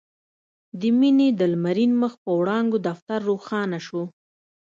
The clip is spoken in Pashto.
د مينې د لمرين مخ په وړانګو دفتر روښانه شو.